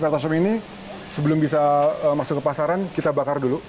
karena ini sebelum bisa masuk ke pasaran kita bakar dulu